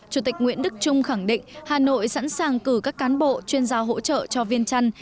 chủ tịch nguyễn đức trung khẳng định hà nội sẵn sàng cử các cán bộ chuyên gia hỗ trợ cho viên trăn